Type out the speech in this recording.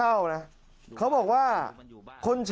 อาทิตย์๑๔อาทิตย์